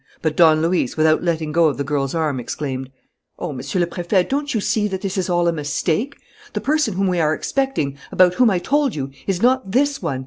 But Don Luis, without letting go of the girl's arm, exclaimed: "Oh, Monsieur le Préfet, don't you see that this is all a mistake? The person whom we are expecting, about whom I told you, is not this one.